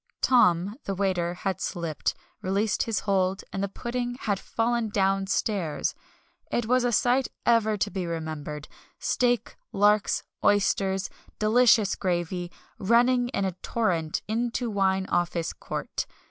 "Tom" the waiter had slipped, released his hold, and the pudding had fallen downstairs! It was a sight ever to be remembered steak, larks, oysters, "delicious gravy," running in a torrent into Wine Office Court.